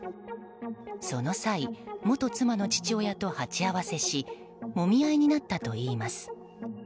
その際、元妻の父親と鉢合わせしもみ合いになったといいます。